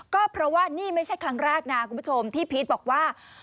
ก็เพราะว่านี่ไม่ใช่ครั้งแรกนะคุณผู้ชมที่พีชบอกว่า